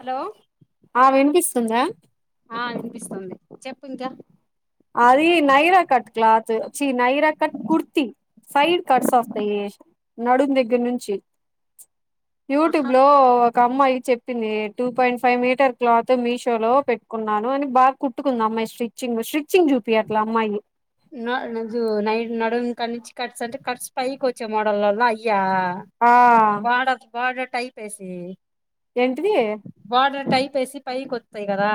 Hello ఆ వినిపిస్తుందా ఆ ఇనిపిస్తుంది చెప్పు ఇంకా అది నైరా కట్ క్లాత్ చి Naira cut kurti side cuts వస్తాయి నడుము దగ్గర నుంచి ఆహా యూట్యూబ్‌లో ఒ క అమ్మాయి చెప్పింది two point five meter cloth మీషో‌లో పెట్టుకున్నాను అని బాగా కుట్టుకుంది అమ్మాయి స్టి చింగ్ స్ట్రిచ్చింగ్ చూపియట్లా అమ్మాయి నా నజు నై నడుం కాడనుంచి కట్స్ అంటే కట్స్ పైకి వచ్చే మోడలల్లో అయ్యా ఆ బార్డర్ బార్డర్ టైపేసి ఏంటిది బార్డర్ టైపేసి పైకొత్తాయ్ కదా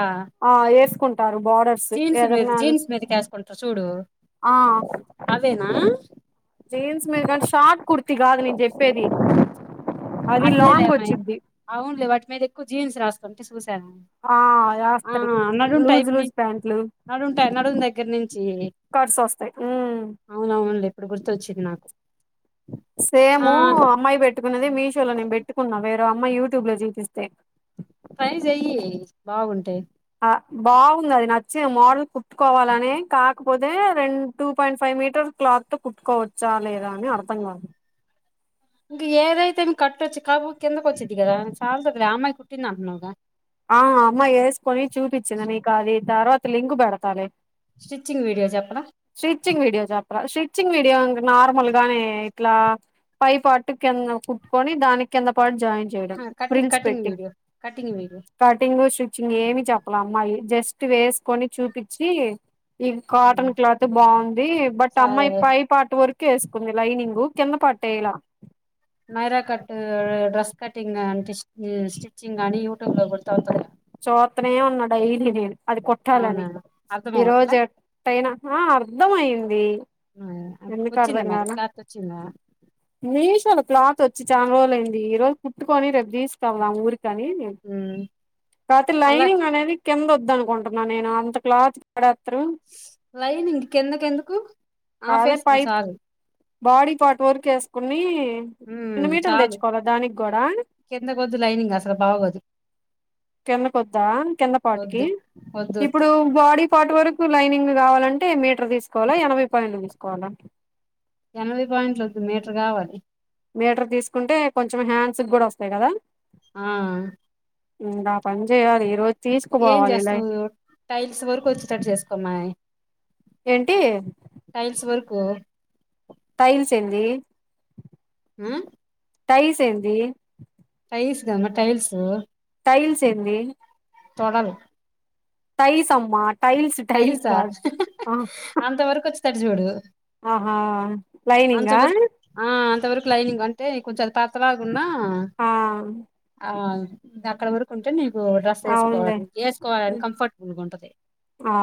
ఆ ఏసుకుంటారు బార్డర్స్ జీన్స్ మీద ఏదనా జీన్స్ మీదకి వేసుకుంటారు చూడు ఆ అవేనా జీన్స్ మీద కానీ షార్ట్ కుర్తి కాదు నేను చెప్పేది అది లాంగ్ అదేలేమ్మాయి వచ్చిద్ది అవునులే వాటి మీద ఎక్కువ జీన్స్ రాస్తుంటే చూశాను ఆ వాస్తడు లూజ్ ని లూజ్ ప్యాంట్లు నడుంటాయి నడుం దగ్గర నుంచి కడ్స వస్తాయి ఉ అవునవునలే ఇప్పుడు గుర్తొచ్చింది నాకు ఆ సేము అమ్మాయి పెట్టుకునేది మీషోలో నేను పెట్టుకున్నా వేరే అమ్మాయి యూట్యూబ్లో చూపిస్తే ట్రై చెయ్యి బాగుంటయి బాగుంది అది నచ్చి మోడల్ కుట్టుకోవాలని కాకపోతే రెండు టూ పాయింట్ ఫైవ్ మీటర్ క్లాత్తో కుట్టుకోవచ్చా లేదా అని అర్థం కాదు ఇంక ఏదైతేందీ కట్టొచ్చి కాకపోతే కిందకి వచ్చిది కదా చాలంది అమ్మాయి కుట్టింది అంటున్నావుగా ఆ అమ్మాయి వేసుకొని చూపించింది నీకు అది తర్వాత లింకు పెడతాలే స్టిచింగ్ వీడియో చెప్పనా స్టిట్చింగ్ వీడియో చెప్పరా స్టిట్చింగ్ వీడియో ఇంగా నార్మల్ గానే ఇట్లా పై పార్ట్ కింద కుట్టుకొని దానికి కింద పార్ట్ జాయింట్ చేయడం ఆహా కటింగ్ ఫ్రిల్స్ కటింగ్ పెట్టి video cutting video cutting stitching ఏమి చెప్పలమ్మాయి జస్ట్ వేసుకొని చూపిచ్చి ఇది కాటన్ క్లాత్ బాగుంది బట్ సా అమ్మాయి పైప్ పార్ట్ వరకు వేసుకుంది లైనింగ కింద పార్టేయల మైరా కట్ డ్రెస్ కటింగ్ అంట స్టిచ్చింగ్ అని యూట్యూబ్లో [unintelligible] చూత్తనే ఉన్నా డైలీ నేను అది కుట్టాలని అవునా అర్థం అవట్లే ఈరోజు తయినా అర్ధంమయింది వచ్చిందా మరి క్లాత్ వచ్చిందా మీషొల క్లాత్ వచ్చి చాలా రోజులయింది ఈ రోజు పుట్టుకొని రేపు తీసుకువాలి ఊరికని నే ఉమ్, కాక్తే అలా లైనింగ్ అనేది కింద వద్ద అనుకుంటున్నా నేను అంత క్లాత్ పడెత్తరు లైనింగ్ కిందకెందుకు ఆఫ్ అదే వేసుకో పైప్ చాలు బాడీ పార్ట్ వరకు వేసుకుని హు రెండు మీటర్లు చాలు తెచ్చుకోవాలా దానికి కూడా కిందకొద్దు లైనింగ్ అసలు బాగోదు కింద కొద్దా కింద పార్ట్కీ వద్దు వద్దు వద్దు ఇప్పుడు బాడీ పార్ట్ వరకు లైనింగ్ కావాలంటే మీటర్ తీసుకోవాలా ఎనభై పాయింలు తీసుకోవాల ఎనభై పాయింట్లు వద్దు మీటర్ కావాలి మీటర్ తీసుకుంటే కొంచెం హ్యాండ్స్ కూడా వస్తాయి కదా ఆ ముందు ఆపని చేయాలి ఈ రోజు ఏం తీసుకుపోవాలి ఇలా చేస్తావు టైల్స్ వరకు వచ్చేటటు చేసుకోమ్మయి ఏంటి టైల్స్ వర్కు టైల్స్ ఏంది హు టైల్స్ ఏంది టైల్స్ గంగ టైల్స్ టైల్స్ ఏంది తొడలు టైస్ అమ్మా టైస్ టైల్స్ టైల్సా కాదు అంత వరకు వచ్చేటట్టు చూడు అహా లైనింగా అంతవరకు ఆ అంతవరకు లైనింగ్ అంటే కొంచెం అది పాతలాగున్నా ఆ ఆ అక్కడ వరకు ఉంటే నీకు డ్రెస్ అవునులే వేసుకోవాలి వేసుకోవాలని కంఫర్టబుల్ గా ఉంటది ఆ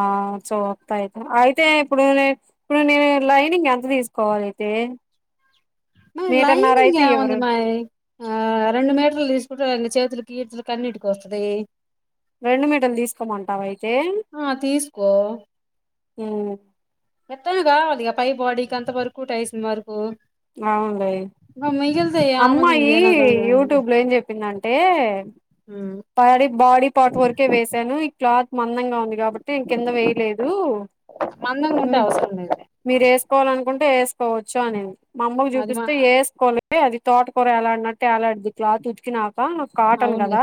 చోత్తాయితే అయితే ఇప్పుడు ఇప్పుడు నేను లైనింగ్ ఎంత తీసుకోవాలియితే నువ్ లైనింగ్ [unintelligible] ఇవ్వరు వందిమా ఆ రెండు మీటర్లు తీసుకుంట చేతులకి ఈట్ల అన్నింటికి వస్తుది రెండు మీటర్లు తీసుకోమంటావ అయితే. ఆ తీసుకో ఊ ఎత్తను కావాలిగా పై బాడీకి అంత వరకు టైస్ వరకు అవన్ను లే నువ్ మిగిల్ అమ్మాయి యూట్యూబ్ లో ఏం చెప్పిందంటే బాడీ బాడీ పార్ట్ వరకే వేసాను ఈ క్లాత్ మందంగా ఉంది కాబట్టి కింద వేయలేదు. మందంగా ఉంటే మ్ అవసరం లేదులే మీరు వేసుకోవాలి అనుకుంటే వేసుకోవచ్చు అనేది. మా అమ్మకు అది మా చూపిస్తే వేసుకోవాల అది తోటకుర ఎలాడినట్టు ఎలాడుతుంది. క్లాత్ ఉతికినాక కాటన్ అవున్ లే కదా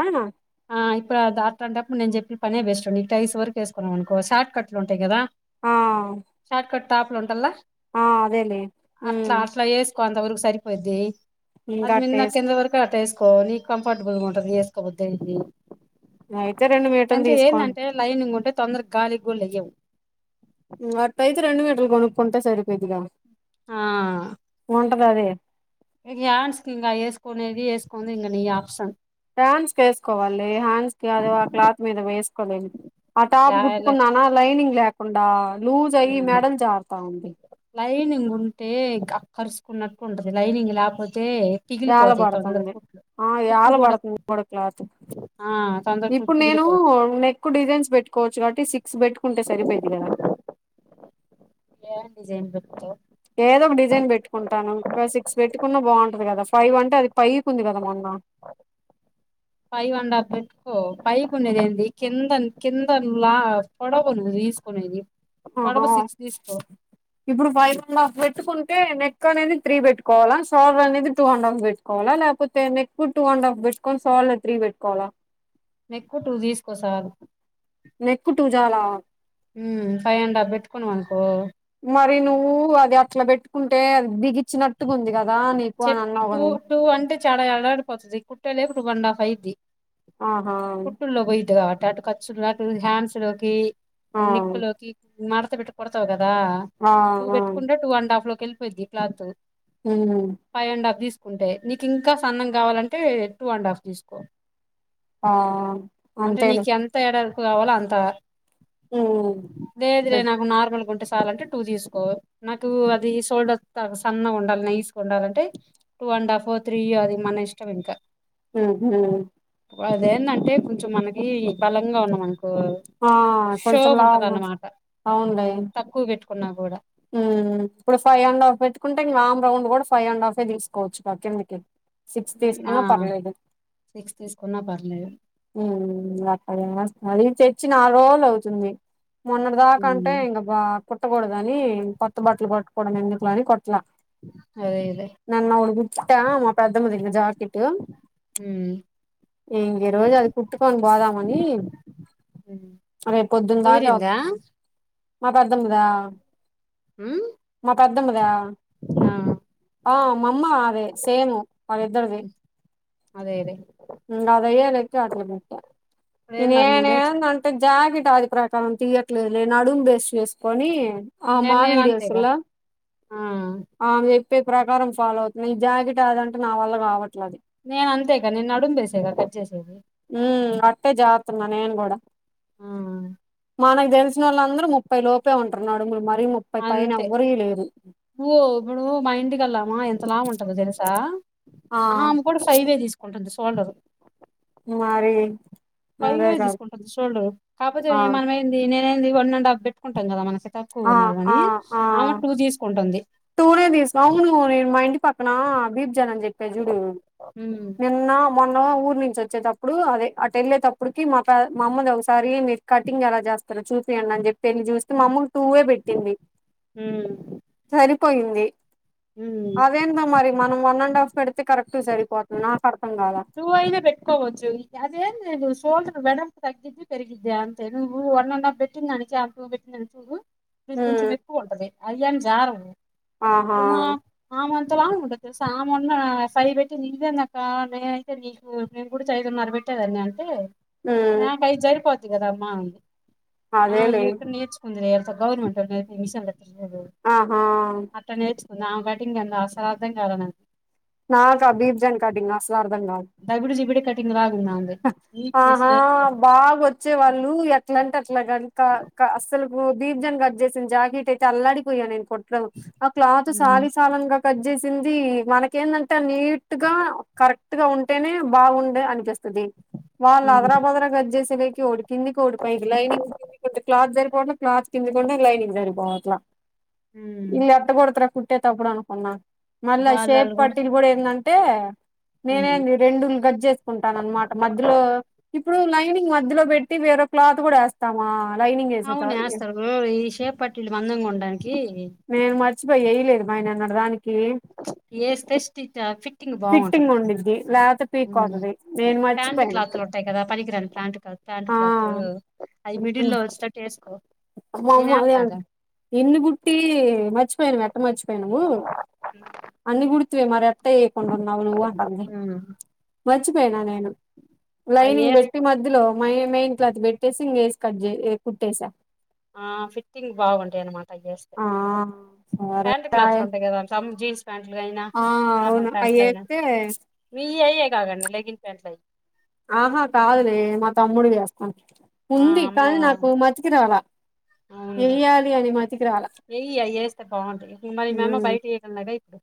ఆ ఇప్పుడు దా అంటాటప్పుడు నేను చెప్పిన పనే బేస్ట్ండి ఇ టైస్ వేసుకున్నాం అనుకో షార్ట్ కట్లు ఉంటాయి కదా ఆ షార్ట్ కట్ టాపులు ఉంట్టలే. ఆ అదేలే అట్లా ఉమ్ అట్లా వేసి కొంత వరకు సరిపోయిద్ది. అది ఇంకా మిన్న టేస్ట్ కింద వరకు అటేసుకో నీ పట్టుకుందుకు ఉంటది వేసుకోపోతేంది అయితే రెండు మీటర్లు అంటే తీసుకోం ఏంటంటే లైనింగ్ ఉంటే తొందరగా గాలి గోళ వెయ్యవు అట్ అయితే రెండు మీటలు కొనుక్కుంటే సరిపోయిద్దిగా ఆ ఉంటదా అది ఇయాన్స్క ఇకాయేసుకోనే ఏది వేసుకోనిది నీ ఆప్షన్ హ్యాండ్స్ క వేసుకోవాలి హ్యాండ్స్ కి అదే ఆ క్లాత్ మీద వేసుకోలేను ఆ లా టాప్ లా గుట్టుకున్నానా లైనింగ్ లేకుండా లూజ్ అయి ఉమ్ మెడన్ జారుతా ఉంది లైనింగ్ ఉంటే అక్కర్చుకున్నట్టు ఉంటది లైనింగ్ లేకపోతే ఏల పిగిలిపోతాయి తొందర పడుతుంది కుట్లు ఆ కుట్లు ఏల కూడా పడతుంది ఇప్పుడు క్లాత్. ఆ తొందర కుట్లు ఇప్పుడు నేను పిగిలిపోతాయి నెక్ నెక్ డిజైన్స్ పెట్టుకోవచ్చు కాబట్టి సిక్స్ పెట్టుకుంటే సరిపోయిద్ది కదా. ఏవన్ డిజైన్ [unintelligible] ఏదో ఒక డిజైన్ పెట్టుకుంటాను ఇంకా సిక్స్ పెట్టుకున్నా బాగుంటంది కదా ఫైవ్ అంటే అది పైవకి ఉంది కదా మొన్న ఫైవ్ అండ్ఫా ఓ పైకినేది ఏడి కింద కింద లా పొడవనేది నువ్ తీసుకునేది పొడవు ఆహ సిక్స్ తీసుకో ఇప్పుడు ఫైవ్ అండ్ హాఫ్ పెట్టుకుంటే నెక్ అనేది త్రీ పెట్టుకోవాలా శోల్డర్ అనేది టూ అండ్ హాఫ్ పెట్టు కోవాలా లేకపోతే నెక్ టూ అండ్ హాఫ్ పెట్టుకని సాల్ త్రి పెట్కోవాలా నెక్కువ టూ తీసుకోసాలు. నెక్కు టూ చాలా ఉ. ఫైవ్ అండ్ఫా పెట్టుకున్నా వనుకో మరి నువ్వు అది అట్లా పెట్టుకుంటే అది బిగిచ్చినట్టుగా ఉంది కదా నీకు అని చెప్ అన్నావు టూ నువ్వు టూ అంటే చాలా ఏలాడిపోతుది కుట్ట లేప్పు ట అండ్ హాఫ్ అయిది ఆహా కుట్ల్లో పోయిద్ది కాబట్టి అటు [unintelligible] లు హ్యాండ్స్లోకి ఆ నెక్లోకి మడతబెట్టి కుడతావగదా ఆ ఇది ఆ పెట్టుకుంటే టూ అండ్ హాఫ్ లోకి వెళ్ళిపోయిద్ది క్లాత్ హ్మ్ ఫైవ్ అండ్ హాఫ్ తీసుకుంటే నీకు ఇంకా సన్నం కావాలంటే టూ అండ్ హాఫ్ తీసుకో ఆ అంటే అంతేలే నీకు ఎంత వెడల్పు కావాలో అంత ఉమ్ లేదులేే పెట్ నాకు నార్మల్ గుంటె చాలంటే టూ తీసు కుంటే నాకు అది షోల్డర్ కాడ సన్నగ ఉండాలి నైస్ ఉండాలంటే టూ అండ్ హాఫ్ త్రీయ అది మన ఇష్టం ఇంకా ఊహూ అదేంటంటే కొంచెం మనకి బలంగా ఉన్నాంనుకో ఆ కొంచెం షోగా ఉంటది లావుగా అన్నమాట అవునులే తక్కువ పెట్టుకున్నా కూడా ఇప్పుడు ఫైవ్ అండ్ హాఫ్ పెట్టుకుంటే ఇంకా ఆమ్ రౌండ్ కూడా ఫైవ్ అండ్ హాఫే తీసుకోవచ్చు గా కిందికి సిక్స్ ఆ తీసుకున్నా పర్లేదు సిక్స్ తీసుకున్నా పర్లేదు హ్మ్ అక్కడే అది తెచ్చి నాలుగు రోజులు అవుతుంది మొన్నటి దాకాంటే ఉమ్, ఇంకా కుట్టకూడదని కొత్త బట్టలు పట్టకూడదని ఎందుకులే అని కుట్టలా అదే అదే మొన్న ఒకటి గుట్టా మా పెద్దమ్మ దిజాకెట్ హ్మ్ ఇంక ఈ రోజు అది కుట్టుకొని పోదామని ఉమ్. రే పొద్దున్న దాక కుదిరిందా మా పెద్దమ్మ దా హ్మ్ మా పెద్దమ్మదా ఆ మాఅమ్మ ఆదే సేము వాళ్ళిద్దరిది ఉమ్, అదే అదే ఇంక అదయ్యాక [unintelligible] అక్కడ బెట్టా లేదు మరి నువ్వు నేర్చు నేనేందంటే జాకెట్ ఆది ప్రకారం తీయట్లేదు లే నడుం బేస్ చేసుకొని ఆ నేను మా నేను వీడియోస్ అంతేగా లో ఆ ఆమె చెప్పే ప్రకారం ఫాలో అవుతుంది ఈ జాకెట్ అదంటే నా వల్ల కావట్లేది నేను అంతేగా నేను నడుంబేసేగా కట్ చేసేది హ్మ్ అట్టే జేత్తన్న నేన్ గూడా హ్మ్ మనకు తెలిసిన వాళ్ళ అందరూ ముప్పై లోపే ఉంటారు నడుములు మరీ ముప్పై పైన ఎవరీయి లేదు ఏయ్ ఇప్పుడు మా ఇంటిగళ్ళమా ఎంతలావు ఉంటదో తెలుసా ఆ కూడా ఫైవే తీసుకుంటుంది షోల్డరు మరి అదే ఫైవే కాదు తీసుకుంటంది షోల్డర్ కాపోతే ఆ మనమేంది నేనేంది వన్ అండ్ హాఫ్ పెట్టుకుంటాం కద మన [unintelligible] ఎక్కువ ఆ ఉన్నారు ఆ అని ఆ ఆమె టుూ తీసుకుంటంది టూనే తీస్ అవును మా ఇంటి పక్కన బీబ్ జాన్ అని చెప్పిన చూడు ఉమ్ నిన్న మొన్న ఊరి నుంచి వచ్చేటప్పుడు అదే అటు వెళ్ళేటప్పుడుకి మా మా అమ్మది ఒకసారి కటింగ్ ఎలా చేస్తరు చూపీయండి అని చెప్పి వెళ్ళి చూస్తే మా అమ్మకు టూవే పెట్టింది హ్మ్ సరిపోయింది అవే మరి మనం వన్ అండ్ హాఫ్ పెడితే కరెక్ట్ సరిపోతుంది నాకు అర్థం కాల ఐదే పెట్టుకోవచ్చు అదేంది షోల్డర్ వెడల్పు తగ్గి పెరిగిద్దే అంతే నువ్వు వన్ అండ్ ఆఫ్ పెట్టిందని జాన్ బీ పెట్టిందని చూడు ఇది కొంచెం ఉమ్ ఎక్కువ ఉంటది అయ్యాం జారవు ఆహా [unintelligible] ఆమెంత లావు ఉంటది తెలుసా ఆమెన్న ఫైవ్ పెట్టి నీదేందక్క నే తె నీకు మేము కూడా చైదున్నరబెట్టేదాన్ని అంటే ఉమ్ నాకు ఐదు సరిపోత్ కదా అమ్మ అంది ఆ అదేలే ఎక్కడ నేర్చుకుంది లే గవర్నమెంటోళ్ళు నేర్పె మిషన్లు ఆహా అట్ట నేర్చుకుంది ఆమే కటింగ్ ఏందో అస్సలు అర్ధం కాలే నాకు నాకు ఆ బీప్జన్ కాటింగ్ అస్సలర్థం కాద్ దబిడి జిబిడి కటింగ్ రాద్ ఆమెది నీట్నెస్ ఆహా లేదు బాగో చ్చే వాళ్ళు ఎట్ల అంటే అట్లా కనుక అసలుకు బీబ్జన్ కట్ చేసిన జాకెట్ అయితే అల్లాడిపోయా నేను కొ దు ఆ క్లాత్ హ్మ్ సాలిసాలని గా కట్ చేసింది మనకేందంటే నీట్ గా కరెక్ట్ గా ఉంటేనే బాగుండే అనిపిస్ స్తది వాళ్ళు ఉమ్ అదరాభదరా కట్ చేసేలేకి ఓడి కింది కోటి పైకి లైనింగ్ కిందికి ఉంటే క్లాత్ సరిపోవట్లే క్లాత్ కిందికుంటే లైనింగ్ సరిపోవట్లే ఉమ్. ఇల్ ఎట్టకుడుతరో కుట్టే టప్పుడు అనుకున్నా మళ్ళ షేప్ వాళ్ళు పట్టీలు కొడతారు కూడా ఏందంటే నేనెంది రెండులు కట్ చేసుకుం తనన్నమాట మధ్యలో ఇప్పుడు లైనింగ్ మధ్యలో పెట్టి వేరే క్లాత్ కూడా ఎస్ స్తమా లైనింగ్ ఏసే త్ మ్ ఈ షేప్పటిలు మందంగా ఉండడానికి నేను మర్చిపోయి వేయలేదు మాయ్ నిన్నట్ దాని కి వేస్తే స్టిచ్ ఫిట్టింగ్ ఫిట్టింగ్ బాగుంటది ఉండిద్ధి లేకపోతే ఉమ్. పిక్కపోతది ప్యాంట్ క్లాత్లు ఉంటాయి కదా పలినికిరాని ప్యాంట్ క్లాత్ ప్యాంట్ ఆ క్లాత్ అయి మిడిల్ లో వచ్చేటట్టు ఏసుకో మా అమ్మ అదే అం ఎన్ని కుట్టి మర్చిపోయానావ్ ఎట్ట మర్చిపోయానవు అన్ని కుడితివి మరి ఎ ట్టేయకుండా ఉన్నావు నువ్వు అంటంది ఉమ్. మర్చిపోయినా నేను అవి లైనింగ్ పెట్టి వేసుకో మధ్యలో మైన్ మెయిన్ క్లాత్ పెట్టేసి ఇంగ వేసి కట్ చ్ కుట్టేసా ఆ ఫిట్టింగ్ బాగుంటాయి అనమాట అయ్యి ఎస్తే ఆ సరే ప్యాంట్ రాయే క్లాత్లు ఉంటాయి కదా జీన్స్ ప్యాట్లుగాయినా ఆ అవును అయ్యేత్తే మీయ్యేయ్యే కాకండి లేగన్ ప్యాంట్లయి ఆహా కాదులే మా తమ్ముడివి ఏస్తా ఆ ఉంది కానీ నాకు మతికిరాలే అవునులే ఏయ్యి అయ్యే ఏస్తే బాగుంటది మరి మీ అమ్మ ఉమ్ బయటి ఎల్లదా ఇప్పుడు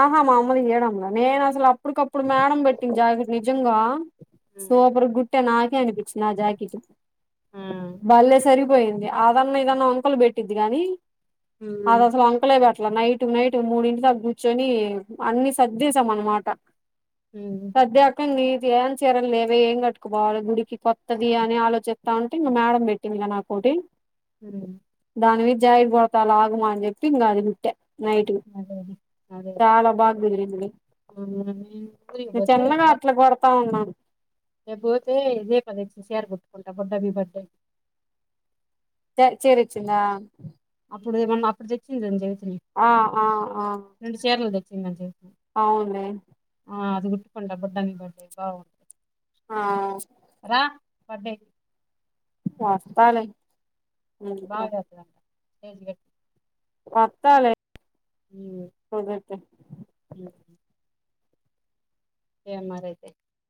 ఆహా మా అమ్మలు తియడంలే నేను అసలు అప్పుటికప్పుడు మేడం పెట్టింది జకిట్ నిజంగా సూపర్ కుట్ట నాకే అనిపిచ్చింది ఆ జాకిట్ ఆ బల్లే సరి పోయింది అదన్న ఇదన్న వంకలు పెట్టిద్ది గాని ఉమ్ ఉమ్ ఆది అసలు వంకలే పెట్ అట్లా నైట్ నైట్ మూడింటిదాక కూర్చొని అన్ని సర్దేసాం అన్న మాట మ్ సద్దకం నీది ఏం చీరలు లేవే ఏం కట్టుకుపోవాలి గుడికి కొత్తది అని ఆలోచిస్తా ఉంటే ఇంగ మేడం పెట్ టింది ఇగ నాకోటి మ్ దానివిద జాకిట్ కూడుత ఆగుమా అని చెప్పి ఇంగ అది కుట్ట నైట్ అదేది చాలా బాగా కుదిరింది ఉమ్, నేను ఊరికి నే పోతే చిన్నగా అట్ల కొడుతా ఉన్నాను రేప్ పోతే రేపే అద్ చ్ చీర కొట్టుకుంటా బుడ్డ బి బర్త్డేది త్ చీర ఇచ్చిందా అప్పుడు ఏమనా అప్పుడు తెచ్చిందంని జీవితం ఆ ఆ ఆ రెండు చీరలు తెచ్చిందంటె అవును ఆ అది కుట్టుకుంట బుడ్డ దాని బర్త్డే కి బాగుంటంది ఆ రా బర్త్డే కా చేస్తాను బాగాతుల [unintelligible] వస్తాలే హ్మ్ [inaudible] అ ఎమ్మా రైతే